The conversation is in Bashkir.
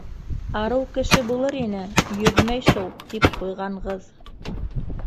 «Арыу кеше булыр ине, Йөҙмәй шул», тип ҡуйғанғыҙ.